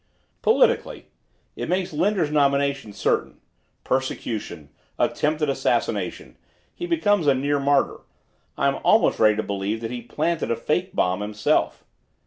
"Politically. It makes Linder's nomination certain. Persecution. Attempted assassination. He becomes a near martyr. I'm almost ready to believe that he planted a fake bomb himself."